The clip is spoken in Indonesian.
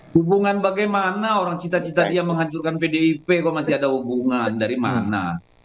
hubungan bagaimana orang cita cita dia menghancurkan pdip kok masih ada hubungan dari mana